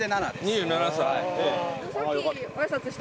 ２７歳。